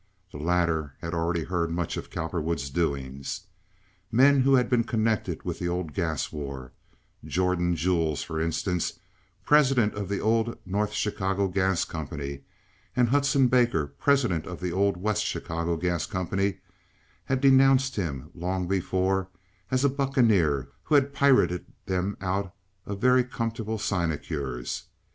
The latter had already heard much of Cowperwood's doings. Men who had been connected with the old gas war—Jordan Jules, for instance, president of the old North Chicago Gas Company, and Hudson Baker, president of the old West Chicago Gas Company—had denounced him long before as a bucaneer who had pirated them out of very comfortable sinecures.